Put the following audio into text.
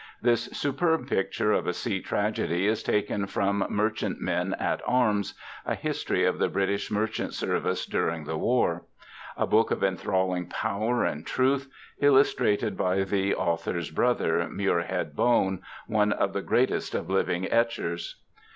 This superb picture of a sea tragedy is taken from Merchantmen at Arms, a history of the British Merchants' Service during the War; a book of enthralling power and truth, illustrated by the author's brother, Muirhead Bone, one of the greatest of living etchers.